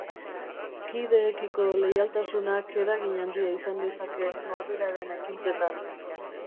Kideekiko leialtasunak eragin handia izan dezake norberaren ekintzetan.